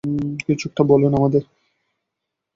কিছু একটা বলুন আমাদের!